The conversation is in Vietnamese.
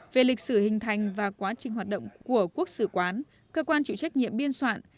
về lịch sử hình thành và quá trình hoạt động của quốc sử quán cơ quan chịu trách nhiệm biên soạn